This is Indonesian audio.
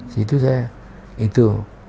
situ saya itu